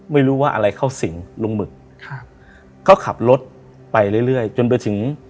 ไม่รู้ว่าอะไรเข้าสิงลุงหมึกครับก็ขับรถไปเรื่อยเรื่อยจนไปถึง